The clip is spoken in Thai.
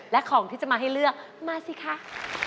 และของที่จะมาให้เลือกมาสิคะ